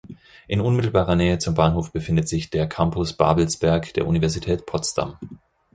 In unmittelbarer Nähe zum Bahnhof befindet sich der Campus Babelsberg der Universität Potsdam.